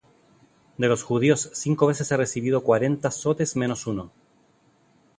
De los judíos cinco veces he recibido cuarenta azotes menos uno.